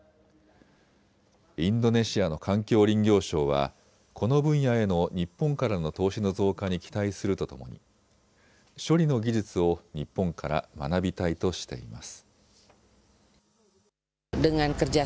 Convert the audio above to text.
インドネシアの環境林業省はこの分野への日本からの投資の増加に期待するとともに処理の技術を日本から学びたいとしています。